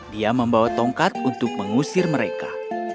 dia membawa tongkat untuk mengusir mereka